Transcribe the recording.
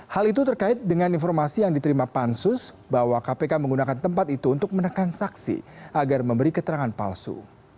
hal itu terkait dengan informasi yang diterima pansus bahwa kpk menggunakan tempat itu untuk menekan saksi agar memberi keterangan palsu